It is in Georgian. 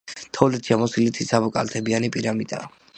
თოვლით შემოსილი ციცაბოკალთებიანი პირამიდაა.